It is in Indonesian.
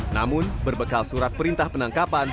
namun berbekal surat perintah penangkapan